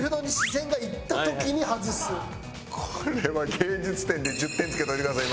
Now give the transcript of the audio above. これは芸術点で１０点つけといてください